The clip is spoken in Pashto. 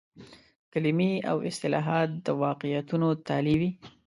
کلمې او اصطلاحات د واقعیتونو تالي وي.